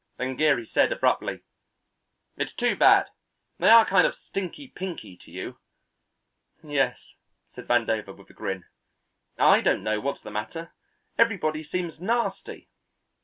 Then Geary said abruptly: "It's too bad. They are kind of stinky pinky to you." "Yes," said Vandover with a grin. "I don't know what's the matter. Everybody seems nasty!"